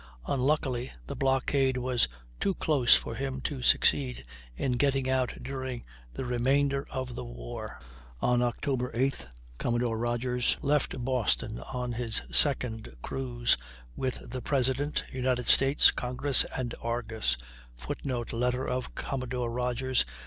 Unluckily the blockade was too close for him to succeed in getting out during the remainder of the war. On Oct. 8th Commodore Rodgers left Boston on his second cruise, with the President, United States, Congress, and Argus, [Footnote: Letter of Commodore Rodgers.